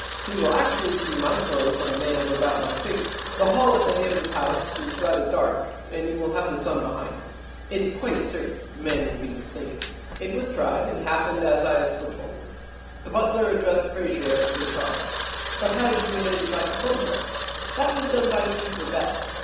He will actually see my clothes on a man of about my figure. The hall at the Hammonds' house is rather dark, and you will have the sun behind you. It's quite certain the man will be mistaken." i8o The Alibi Problem * It was tried and happened as I had fore told. The butler addressed Fraser as Sir Charles.' * But how did you manage about the photo graph ?That was done by means of a bet.